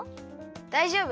だいじょうぶ。